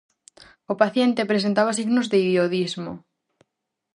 O paciente presentaba signos de iodismo.